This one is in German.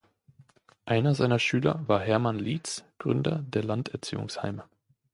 Einer seiner Schüler war Hermann Lietz, Gründer der Landerziehungsheime.